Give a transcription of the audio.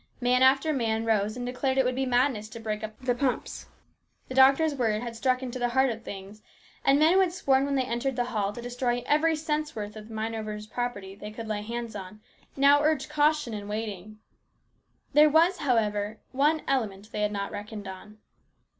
Man after man rose and declared that it would be madness to break up the pumps. The doctor's words had struck into the heart of things, and men who had sworn when they entered the hall to destroy every cent's worth of mine owners' property they could lay hands on, now urged caution and waiting. There was, however, one element they had not reckoned on.